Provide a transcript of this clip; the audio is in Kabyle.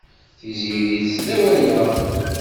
Tiziri tesla i waya.